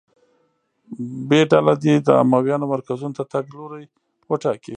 ب ډله دې د امویانو مرکزونو ته تګ لوری وټاکي.